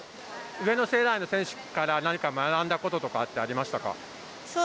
上の世代の選手から何か学んだこととかってありましたか？